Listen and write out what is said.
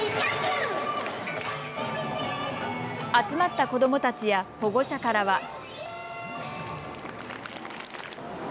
集まった子どもたちや保護者からは。